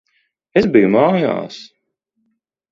Es biju mājās.